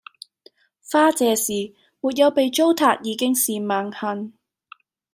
花謝時；沒有被糟蹋已經是萬幸